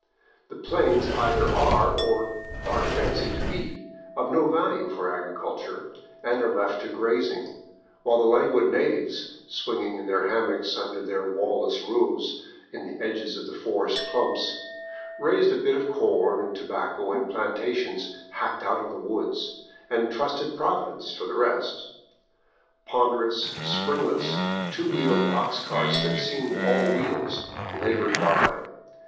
The plains either are, or are fancied to be, of no value for agriculture, and are left to grazing, while the languid natives, swinging in their hammocks under their wall less roofs in the edges of the forest clumps, raised a bit of corn and tobacco in plantations hacked out of the woods, and trusted Providence for the rest. Ponderous, springless, two wheeled ox carts that seemed all wheels labored by.